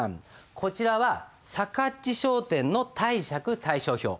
こちらはさかっち商店の貸借対照表。